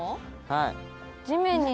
はい。